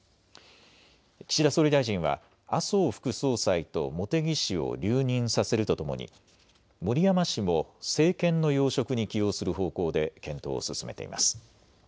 岸田総理大臣は麻生副総裁と茂木氏を留任させるとともに森山氏も政権の要職に起用する方向で検討を進めています。